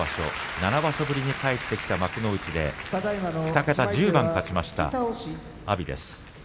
７場所ぶりに返ってきた幕内で２桁１０番勝ちました阿炎。